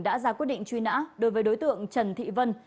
đã ra quyết định truy nã đối với đối tượng trần thị vân